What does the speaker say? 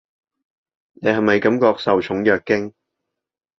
你係咪感覺受寵若驚？